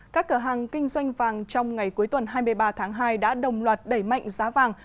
các cửa hàng kinh doanh vàng trong ngày cuối tuần hai mươi ba tháng hai đã đồng loạt đẩy mạnh giá vàng